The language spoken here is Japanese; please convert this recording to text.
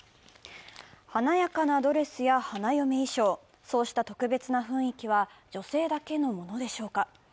華やかなドレスや花嫁衣装、そうした特別な雰囲気は女性だけのものでしょうか。